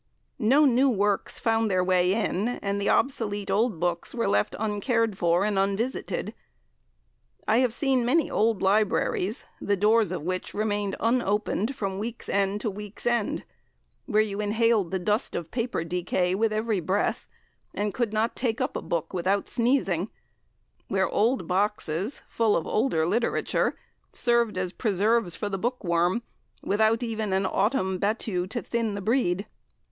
No new works found their way in, and the obsolete old books were left uncared for and unvisited. I have seen many old libraries, the doors of which remained unopened from week's end to week's end; where you inhaled the dust of paper decay with every breath, and could not take up a book without sneezing; where old boxes, full of older literature, served as preserves for the bookworm, without even an autumn "battue" to thin the breed.